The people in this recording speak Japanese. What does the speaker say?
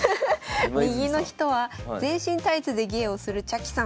右の人は全身タイツで芸をするちゃきさん。